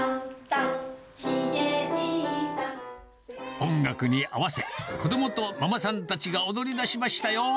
音楽に合わせ、子どもとママさんたちが踊りだしましたよ。